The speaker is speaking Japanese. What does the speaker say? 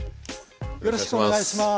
よろしくお願いします。